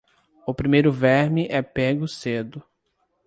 O primeiro verme é pego cedo.